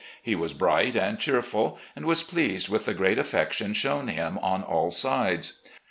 He was bright and cheerful, and was pleased with the great affection shown him on aU sides.